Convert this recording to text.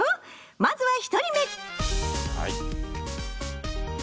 まずは１人目！